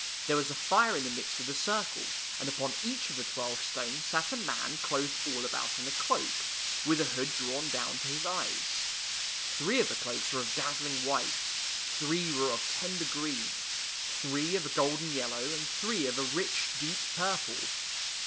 There was a fire in the midst of the circle, and upon each of the twelve stones sat a man clothed all about in a cloak, with a hood drawn down to his eyes. Three of the cloaks were of dazzling white, three were of tender green, three of [ 12 ] THE TWELVE MONTHS a golden yellow, and three of a rich, deep purple.